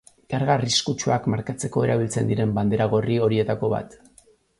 Karga arriskutsuak markatzeko erabiltzen diren bandera gorri horietako bat.